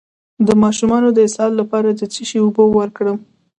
د ماشوم د اسهال لپاره د څه شي اوبه ورکړم؟